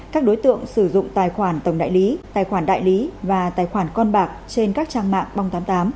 các đối tượng sử dụng tài khoản tổng đại lý tài khoản đại lý và tài khoản con bạc trên các trang mạng bong tám mươi tám